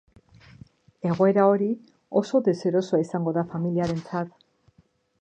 Egoera hori oso deserosoa izango da familiarentzat.